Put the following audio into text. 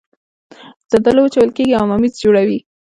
زردالو وچول کیږي او ممیز جوړوي